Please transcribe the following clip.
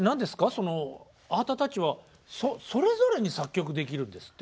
そのあなたたちはそれぞれに作曲できるんですって？